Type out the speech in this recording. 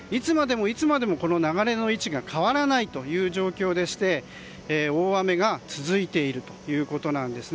いつまでもこの流れの位置が変わらないという状況でして大雨が続いているということなんです。